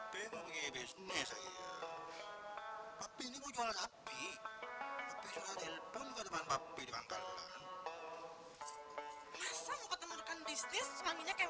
tuh ben papi wangi banget